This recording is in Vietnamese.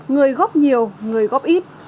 người góp nhiều người góp ít